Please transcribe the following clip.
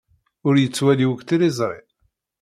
Ur yettwali akk tiliẓri.